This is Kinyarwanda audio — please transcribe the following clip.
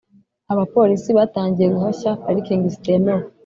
abapolisi batangiye guhashya parikingi zitemewe.